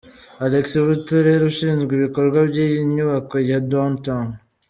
Alexis Buterere ushinzwe ibikorwa by’iyi Nyubako ya Down Town.